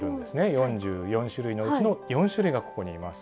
４４種類のうちの４種類がここにいます。